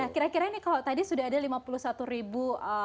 kira kira ini kalau tadi sudah ada lima puluh satu ribu